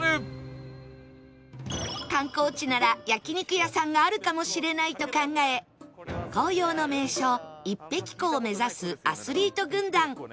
観光地なら焼肉屋さんがあるかもしれないと考え紅葉の名所イッペキ湖を目指すアスリート軍団